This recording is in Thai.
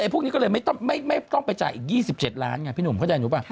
พวกนี้ก็เลยไม่ต้องไปจ่ายอีก๒๗ล้านไงพี่หนุ่มเข้าใจรู้ป่ะ